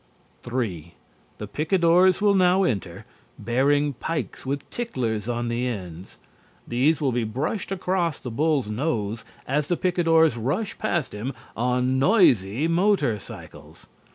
3. The picadors will now enter, bearing pikes with ticklers on the ends. These will be brushed across the bull's nose as the picadors rush past him on noisy motor cycles.